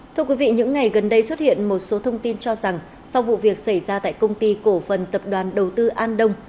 thưa quý vị những ngày gần đây xuất hiện một số thông tin cho rằng sau vụ việc xảy ra tại công ty cổ phần tập đoàn đầu tư an đông